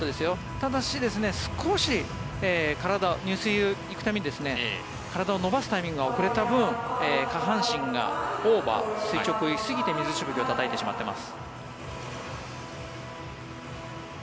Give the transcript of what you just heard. ただし、少し体入水に行くために体を伸ばすタイミングが遅れた分下半身がオーバー垂直を過ぎて、水しぶきをたたいてしまっています。